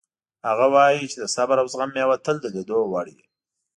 هغه وایي چې د صبر او زغم میوه تل د لیدو وړ وي